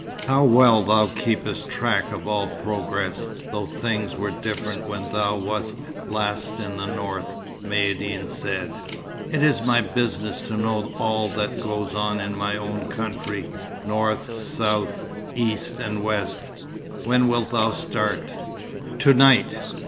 "How well thou keepest track of all progress, though things were different when thou wast last in the north," Maïeddine said. "It is my business to know all that goes on in my own country, north, south, east, and west. When wilt thou start?" "To night."